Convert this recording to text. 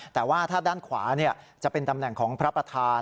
แต่ว่าถ้าด้านขวาจะเป็นตำแหน่งของพระประธาน